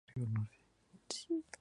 La unión con Bonnet duró poco tiempo.